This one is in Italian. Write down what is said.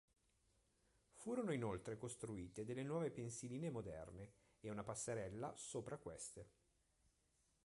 Furono inoltre costruite delle nuove pensiline moderne e una passerella sopra a queste.